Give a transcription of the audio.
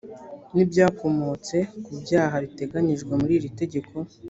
n ibyakomotse ku byaha biteganyijwe muri iri tegeko